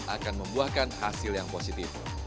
akan membuahkan hasil yang positif